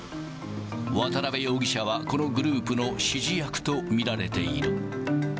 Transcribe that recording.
渡辺容疑者は、このグループの指示役と見られている。